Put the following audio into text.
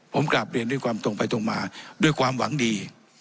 ผมกลับเรียนด้วยความตรงไปตรงมาด้วยความหวังดี